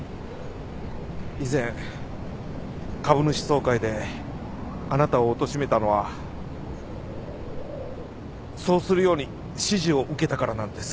以前株主総会であなたをおとしめたのはそうするように指示を受けたからなんです